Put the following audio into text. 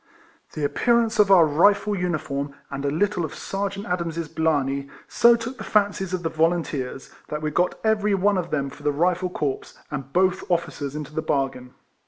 The appearance of our Rifle uniform, and a little of Sergeant Adams's* blarney, so took the fancies of the volunteers, that we got every one of them for the Rifle corps, and both officers f into the bargain.